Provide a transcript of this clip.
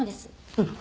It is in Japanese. うん。